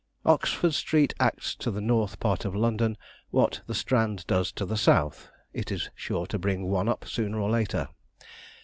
Oxford Street acts to the north part of London what the Strand does to the south: it is sure to bring one up, sooner or later.